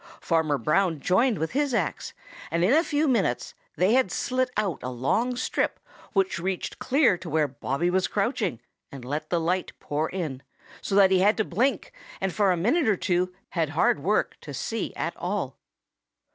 Farmer Brown joined with his axe, and in a few minutes they had slit out a long strip which reached clear to where Bobby was crouching and let the light pour in, so that he had to blink and for a minute or two had hard work to see at all.